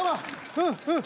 うんうん。